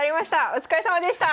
お疲れさまでした！